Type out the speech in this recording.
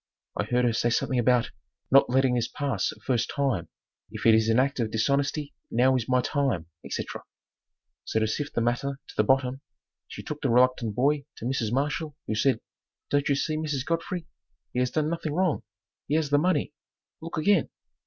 I heard her say something about "Not letting this pass a first time, if it is an act of dishonesty now is my time," etc. So to sift the matter to the bottom, she took the reluctant boy to Mrs. Marshall, who said, "Don't you see, Mrs. Godfrey, he has done nothing wrong; he has the money; look again."